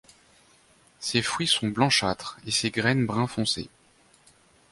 Ses fruits sont blanchâtres et ses graines brun foncé.